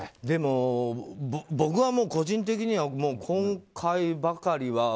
でも、僕は個人的にはもう、今回ばかりは。